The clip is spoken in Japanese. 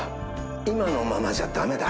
今のままじゃ駄目だ。